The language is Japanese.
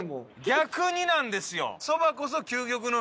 逆になんですよ。